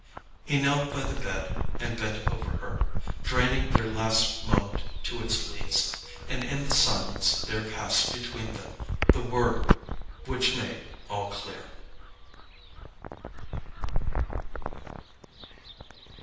He knelt by the bed and bent over her, draining their last moment to its lees; and in the silence there passed between them the word which made all clear.